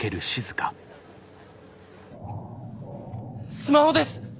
スマホです！